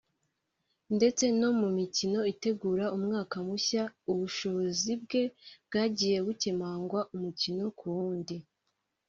ndetse no mu mikino itegura umwaka mushya ubushobozi bwe bwagiye bukemangwa umukino ku wundi